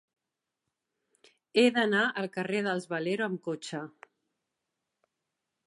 He d'anar al carrer dels Valero amb cotxe.